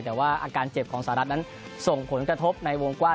แต่ว่าอาการเจ็บของสหรัฐนั้นส่งผลกระทบในวงกว้าง